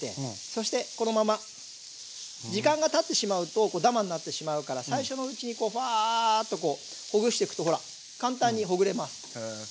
そしてこのまま時間がたってしまうとダマになってしまうから最初のうちにバーッとほぐしていくとほら簡単にほぐれます。